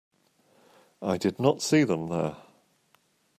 I did not see them there.